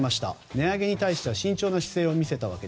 値上げに対して慎重な姿勢を見せました。